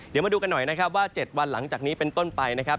เดี๋ยวมาดูกันหน่อยนะครับว่า๗วันหลังจากนี้เป็นต้นไปนะครับ